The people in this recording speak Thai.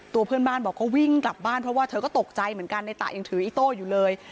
เพื่อนบ้านบอกก็วิ่งกลับบ้านเพราะว่าเธอก็ตกใจเหมือนกันในตะยังถืออิโต้อยู่เลย